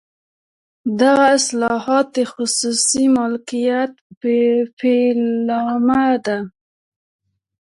دغه اصلاحات د خصوصي مالکیت پیلامه ده.